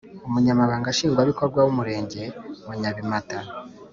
Umunyamabanga Nshingwabikorwa w’Umurenge wa Nyabimata